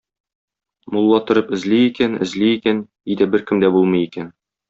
Мулла торып эзли икән, эзли икән - өйдә беркем дә булмый икән.